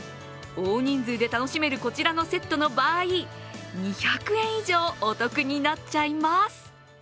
大人数で楽しめるこちらのセットの場合、２００円以上お得になっちゃいます。